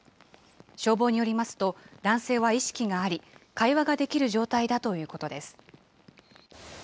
消防によりますと、男性は意識があり、会話ができる状態だということです。